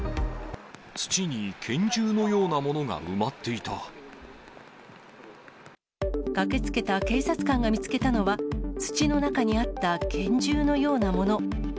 土に拳銃のようなものが埋ま駆けつけた警察官が見つけたのは、土の中にあった拳銃のようなもの。